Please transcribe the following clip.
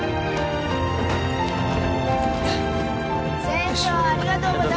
船長ありがとうございました。